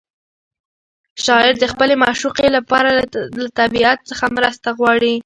شاعر د خپلې معشوقې لپاره له طبیعت څخه مرسته غواړي.